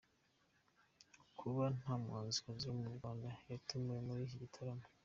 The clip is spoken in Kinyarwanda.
Kuba nta muhanzikazi wo mu Rwanda watumiwe muri iki gitaramo.